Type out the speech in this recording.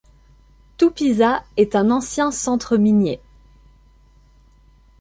Tupiza est un ancien centre minier.